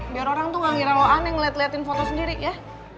biar orang tuh gak ngira loan yang ngeliat liatin foto sendiri ya